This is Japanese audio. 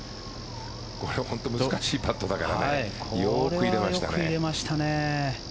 本当、難しいパットだからよく入れましたね。